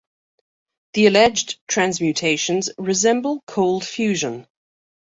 The alleged transmutations resemble cold fusion.